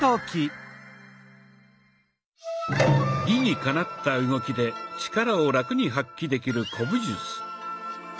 理にかなった動きで力をラクに発揮できる古武術。